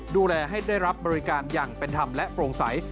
ดูแลให้ได้รับบริการอย่างเป็นธรรมและโปร่งใส